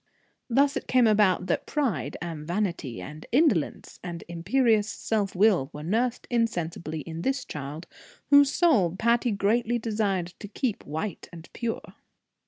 Thus it came about that pride, and vanity, and indolence, and imperious self will, were nursed insensibly in this child, whose soul Patty greatly desired to keep white and pure.